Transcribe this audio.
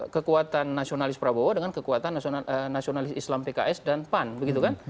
kekuatan nasionalis prabowo dengan kekuatan nasionalis islam pks dan pan begitu kan